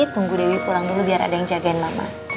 tunggu dewi pulang dulu biar ada yang jagain mama